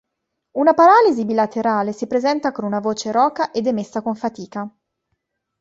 Una paralisi bilaterale si presenta con una voce roca ed emessa con fatica.